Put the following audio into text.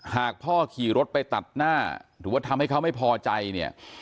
หากพ่อขี่รถไปตัดหน้าหรือว่าทำให้เขาไม่พอใจเนี่ย